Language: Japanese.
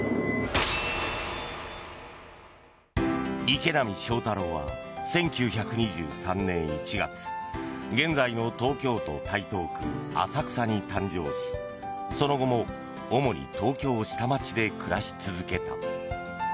池波正太郎は１９２３年１月現在の東京都台東区浅草に誕生しその後も主に東京下町で暮らし続けた。